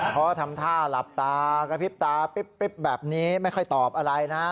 เพราะทำท่าหลับตากระพริบตาปริ๊บแบบนี้ไม่ค่อยตอบอะไรนะฮะ